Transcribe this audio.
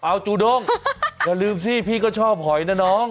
เอาจูด้งอย่าลืมสิพี่ก็ชอบหอยนะน้อง